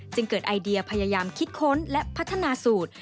เกิดไอเดียพยายามคิดค้นและพัฒนาสูตร